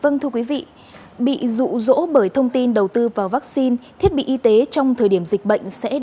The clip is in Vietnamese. vâng thưa quý vị bị rụ rỗ bởi thông tin đầu tư vào vaccine thiết bị y tế trong thời điểm dịch bệnh sẽ